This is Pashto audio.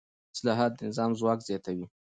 اصلاحات د نظام ځواک زیاتوي